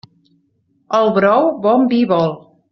El brou bon vi vol.